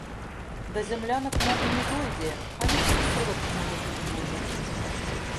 Да зямлянак мо і не дойдзе, але ж і соладка налета не будзе.